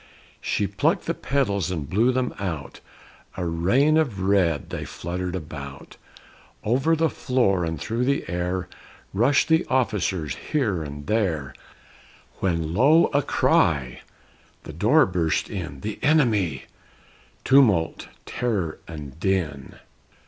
She plucked the petals and blew them out, A rain of red they fluttered about. Over the floor and through the air Rushed the officers here and there; When lo! a cry! The door burst in! "The enemy!" Tumult, terror, and din!